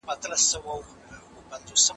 د خرابې بوي لرونکي شيدې مه کاروئ.